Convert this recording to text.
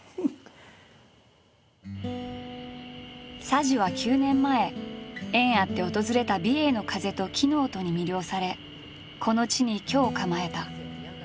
佐治は９年前縁あって訪れた美瑛の風と木の音に魅了されこの地に居を構えた。